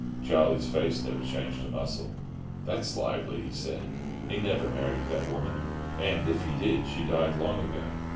Charlie's face never changed a muscle. "That's lively!" he said. "He never married that woman; and, if he did, she died long ago."